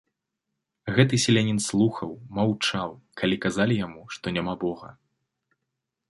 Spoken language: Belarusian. Гэты селянін слухаў, маўчаў, калі казалі яму, што няма бога.